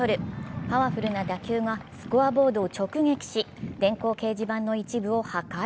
パワフルな打球がスコアボードを直撃し電光掲示板の一部を破壊。